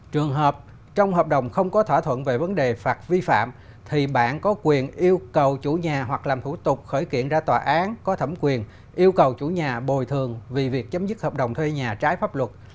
trường hợp trong hợp đồng không có thỏa thuận về vấn đề phạt vi phạm thì bạn có quyền yêu cầu chủ nhà hoặc làm thủ tục khởi kiện ra tòa án có thẩm quyền yêu cầu chủ nhà bồi thường vì việc chấm dứt hợp đồng thuê nhà trái pháp luật